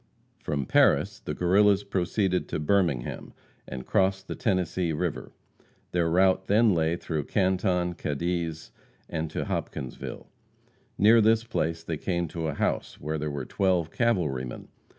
From Paris the Guerrillas proceeded to Birmingham, and crossed the Tennessee river. Their route then lay through Canton, Cadiz, and to Hopkinsville. Near this place they came to a house where there were twelve cavalrymen.